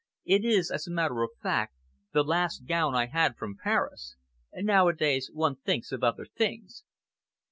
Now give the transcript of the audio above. It is, as a matter of fact, the last gown I had from Paris. Nowadays, one thinks of other things."